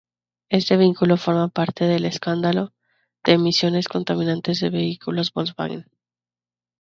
Este vehículo forma parte del Escándalo de emisiones contaminantes de vehículos Volkswagen.